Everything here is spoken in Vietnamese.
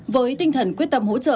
với tinh thần quyết tâm hỗ trợ